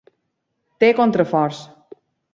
Té contraforts.